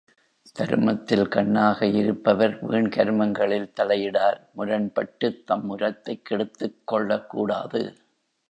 தருமத்தில் கண்ணாக இருப்பவர் வீண் கருமங்களில் தலை இடார் முரண்பட்டுத் தம் உரத்தைக் கெடுத்துக் கொள்ளக் கூடாது.